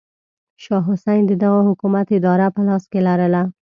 شاه حسین د دغه حکومت اداره په لاس کې لرله.